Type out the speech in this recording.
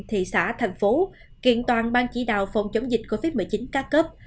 thị xã thành phố kiện toàn ban chỉ đạo phòng chống dịch covid một mươi chín ca cấp